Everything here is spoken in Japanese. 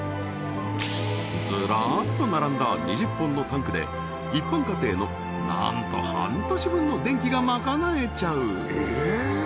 ずらっと並んだ２０本のタンクで一般家庭のなんと半年分の電気が賄えちゃう！